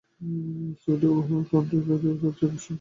ছবিটি টরন্টো আন্তর্জাতিক চলচ্চিত্র উৎসবে প্রদর্শিত হয়েছিল।